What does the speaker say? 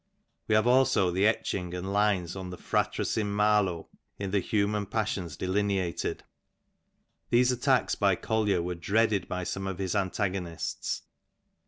We haye also the etching and lines on the " firatres in malo" in the Human JPasiiont Delineated. These attacks by Collier were dreaded by some of his antago nists.